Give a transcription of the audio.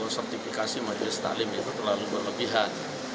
sertifikasi majelis taklim itu terlalu berlebihan